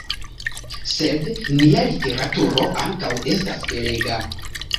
Sed nia literaturo ankaŭ estas belega!